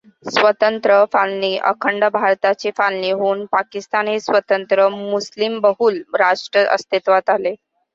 स्वातंत्र्य, फाळणी अखंड भारताची फाळणी होऊन पाकिस्तान हे स्वतंत्र मुस्लिमबहुल राष्ट्र अस्तित्वात आले.